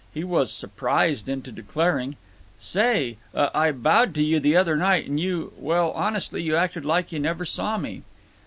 He was surprised into declaring: "Say—uh—I bowed to you the other night and you—well, honestly, you acted like you never saw me."